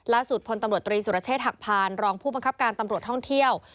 พลตำรวจตรีสุรเชษฐหักพานรองผู้บังคับการตำรวจท่องเที่ยว